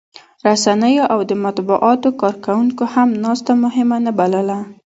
رسنیو او د مطبوعاتو کارکوونکو هم ناسته مهمه نه بلله